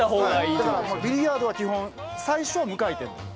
だからビリヤードは基本最初は無回転から。